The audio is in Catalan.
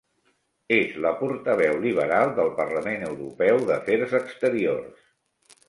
És la portaveu liberal del Parlament Europeu d'Afers Exteriors.